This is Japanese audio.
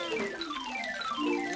お！